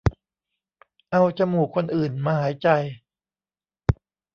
เอาจมูกคนอื่นมาหายใจ